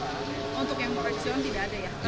untuk yang merek siun tidak ada ya